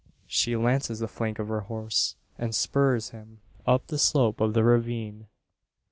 She lances the flank of her horse, and spurs him, up the slope of the ravine.